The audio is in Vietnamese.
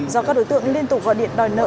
do các đối tượng liên tục gọi điện đòi nợ